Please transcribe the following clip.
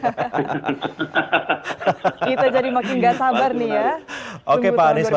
kita jadi makin gak sabar nih ya